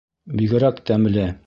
Бигерәк тәмле!